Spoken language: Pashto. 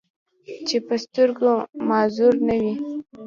چې پۀ سترګو معذور نۀ وو،